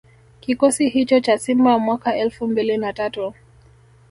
Kikosi hicho cha Simba mwaka elfu mbili na tatu